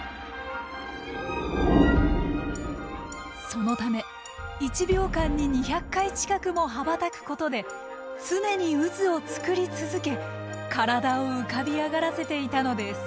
そのため１秒間に２００回近くも羽ばたくことで常に渦を作り続け体を浮かび上がらせていたのです。